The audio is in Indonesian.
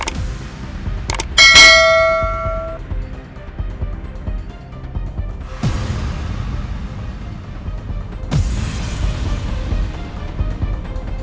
kalo kita ke kantor kita bisa ke kantor